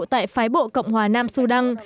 tại phái bộ cộng hòa nam su đăng